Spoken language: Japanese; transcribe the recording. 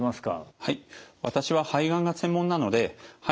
はい。